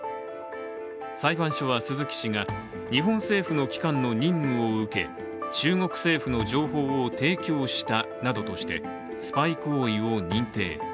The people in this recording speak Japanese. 裁判所は鈴木氏が日本政府の機関の任務を受け、中国政府の情報を提供したなどとしてスパイ行為を認定。